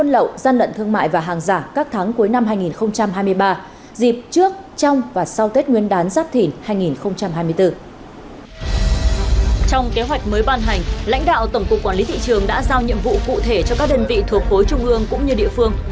lãnh đạo tổng cục quản lý thị trường đã giao nhiệm vụ cụ thể cho các đơn vị thuộc khối trung ương cũng như địa phương